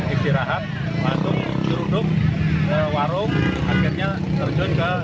istirahat masuk turun turun ke warung akhirnya terjun ke jurang